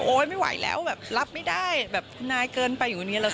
โอ๋ยไม่ไหวแล้วเป็นแบบรับไม่ได้แบบคุณนายเกินไปอยู่อย่างงี้